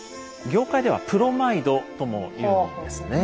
業界では「プロマイド」とも言うんですね。